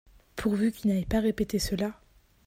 pourvu qu'il n'aille pas répéter cela.